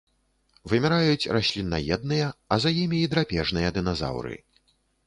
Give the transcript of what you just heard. Выміраюць расліннаедныя, а за імі і драпежныя дыназаўры.